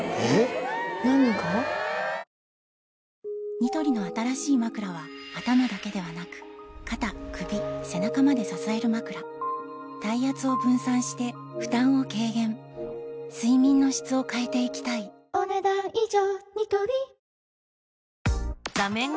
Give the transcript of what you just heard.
ニトリの新しいまくらは頭だけではなく肩・首・背中まで支えるまくら体圧を分散して負担を軽減睡眠の質を変えていきたいお、ねだん以上。